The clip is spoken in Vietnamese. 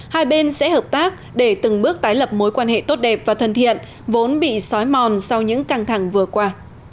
hai bên sẽ hợp tác để từng bước tái lập mối quan hệ tốt đẹp và thân thiện vốn bị xói mòn sau những căng thẳng vừa qua